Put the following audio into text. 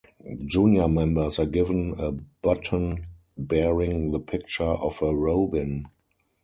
Junior members are given a button bearing the picture of a robin.